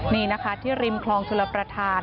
นี่นะคะที่ริมคลองชลประธาน